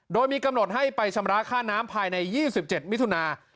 โดยมีกำหนดให้ไปชำระค่าน้ำภายใน๒๗มิถุนา